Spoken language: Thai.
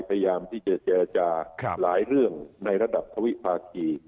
พยายามที่จะเจรจาหลายเรื่องในระดับทวิภาคี